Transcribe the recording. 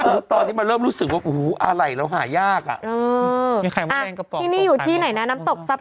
แต่อันนี้ก็คือดูแล้วเรารู้สึกหวัดเสี่ยว